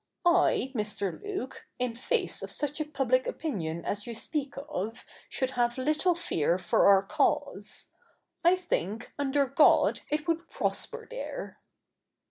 I, Mr. Luke, in face of such a public opinion as you speak of, should have little fear for our cause. I think, under God, it would prosper there.'